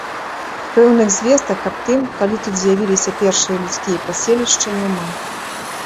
Пэўных звестак аб тым, калі тут з'явіліся першыя людскія паселішчы, няма.